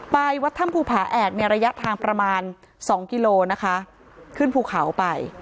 วัดถ้ำภูผาแอกในระยะทางประมาณ๒กิโลนะคะขึ้นภูเขาไป